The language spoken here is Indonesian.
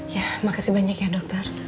ya makasih banyak ya dokter